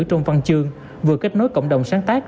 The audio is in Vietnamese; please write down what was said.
trung văn chương vừa kết nối cộng đồng sáng tác